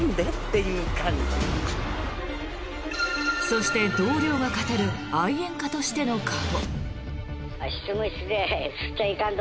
そして、同僚が語る愛煙家としての顔。